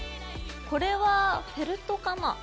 これはフェルトかな？